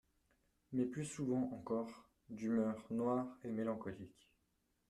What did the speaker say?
Mais plus souvent encore, d'humeur noire et mélancolique.